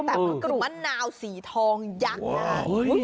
แบบกลุ่มมะนาวสีทองยักษ์น้ำ